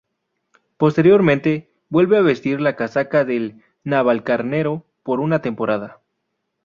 Posteriormente, vuelve a vestir la casaca del Navalcarnero por una temporada.